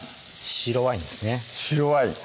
白ワイン